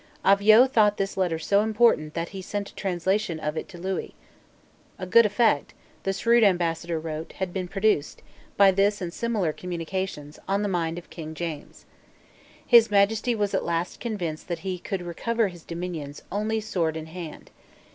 Avaux thought this letter so important, that he sent a translation of it to Lewis, A good effect, the shrewd ambassador wrote, had been produced, by this and similar communications, on the mind of King James. His Majesty was at last convinced that he could recover his dominions only sword in hand.